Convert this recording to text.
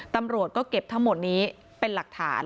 ตำรวจก็เก็บทั้งหมดนี้เป็นหลักฐาน